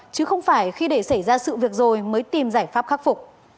chứ không phải khi để xảy ra sự việc rồi mới tìm giải pháp khắc phục